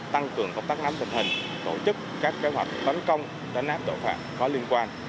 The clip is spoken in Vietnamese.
tăng cường công tác nắm tình hình tổ chức các kế hoạch tấn công đánh áp tội phạm có liên quan